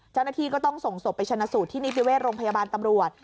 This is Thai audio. เจ้าหน้าที่ก็ต้องส่งศพไปชนะสูตรที่นิติเวชโรงพยาบาลตำรวจ